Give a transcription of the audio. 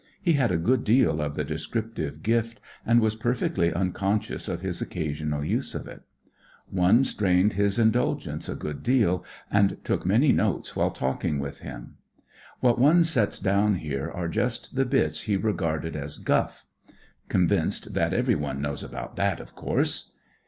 He had a good deal of the descrip tive gift, and was perfectly unconscious of his occasional use of it. One strained his indulgence a good deal, and took many notes while talking with him. What one sets down here are just the bits he regarded as "guff"; convinced that " everyone knows about that, of course."